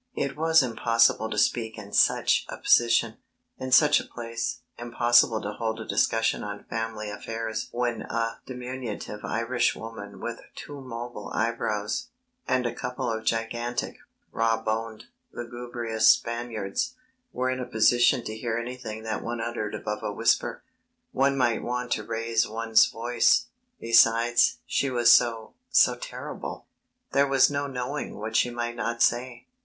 It was impossible to speak in such a position; in such a place; impossible to hold a discussion on family affairs when a diminutive Irishwoman with too mobile eyebrows, and a couple of gigantic, raw boned, lugubrious Spaniards, were in a position to hear anything that one uttered above a whisper. One might want to raise one's voice. Besides, she was so so terrible; there was no knowing what she might not say.